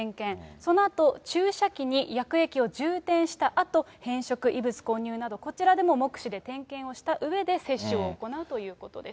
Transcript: そのあと、注射器に薬液を充填したあと、変色、異物混入など、こちらでも目視で点検をしたうえで、接種を行うということです。